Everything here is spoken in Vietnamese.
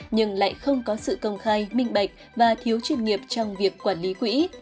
nhưng lại không có sự công khai minh bạch và thiếu chuyên nghiệp trong việc quản lý quỹ